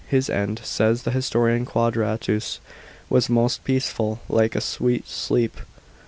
His end, says the historian Qnadratus, was most peaceful, like a sweet sleep.